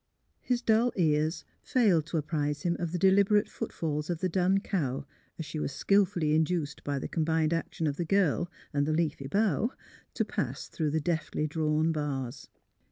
His dull ears failed to apprise him of the deliberate footfalls of the dun cow, as she was skilfully in duced by the combined action of the girl and the leafy bough to pass through the deftly drawn bars.